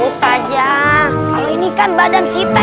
udah aja l informasi